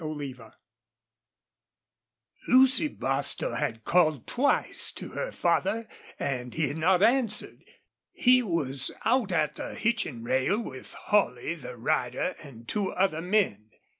CHAPTER VIII Lucy Bostil had called twice to her father and he had not answered. He was out at the hitching rail, with Holley, the rider, and two other men.